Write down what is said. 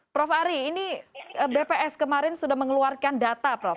prof ari ini bps kemarin sudah mengeluarkan data prof